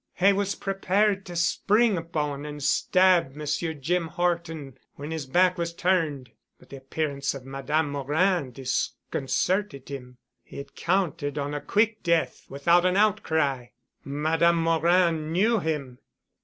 He was prepared to spring upon and stab Monsieur Jim Horton when his back was turned, but the appearance of Madame Morin disconcerted him. He had counted on a quick death without an outcry. Madame Morin knew him.